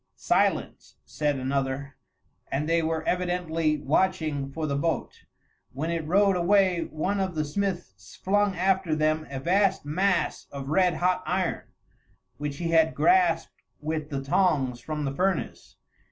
"Silence!" said another; and they were evidently watching for the boat. When it rowed away, one of the smiths flung after them a vast mass of red hot iron, which he had grasped with the tongs from the furnace.